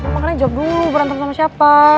makanya jawab dulu berantem sama siapa